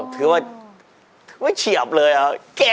ถือว่าไม่เฉียบเลยครับ